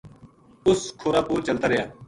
اس کھُرا پو چلتا رہیا